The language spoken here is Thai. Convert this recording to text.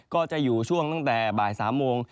ก็จะอยู่ช่วงตั้งแต่บ่าย๓โมง